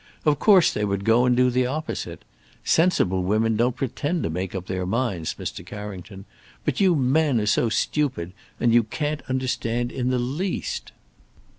of course they would go and do the opposite. Sensible women don't pretend to make up their minds, Mr. Carrington. But you men are so stupid, and you can't understand in the least."